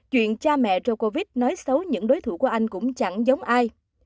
chuyện cha mẹ rocovite nói xấu những đối thủ của anh cũng chẳng giống ai